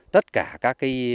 tất cả các cây